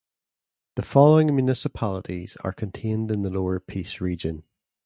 The following municipalities are contained in the Lower Peace Region.